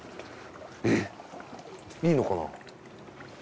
えっいいのかな？